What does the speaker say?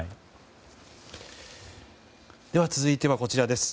では続いてはこちらです。